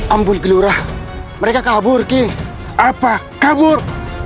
ambul gelurah mereka kabur ki apa kabur